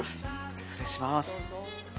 失礼します。